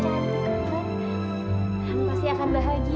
nanti aku pasti akan bahagia sekali non